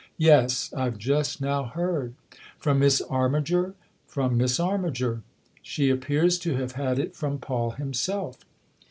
" Yes I've just now heard." " From Miss Armiger ?"" From Miss Armiger. She appears to have had it from Paul himself."